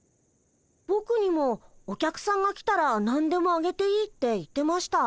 ぼくにもお客さんが来たらなんでもあげていいって言ってました。